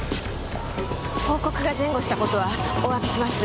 報告が前後した事はお詫びします。